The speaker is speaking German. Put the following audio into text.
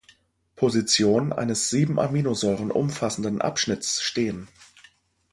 Position eines sieben Aminosäuren umfassenden Abschnitts stehen.